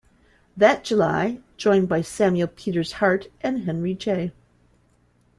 That July, joined by Samuel Peters Hart and Henry J.